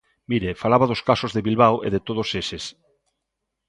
Mire, falaba dos casos de Bilbao e de todos eses.